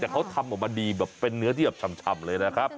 แต่เขาทำออกมาดีแบบเป็นเนื้อที่แบบฉ่ำเลยนะครับ